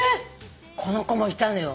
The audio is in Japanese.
この子もいたのよ。